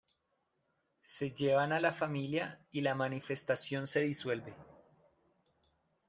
Se llevan a la familia y la manifestación se disuelve.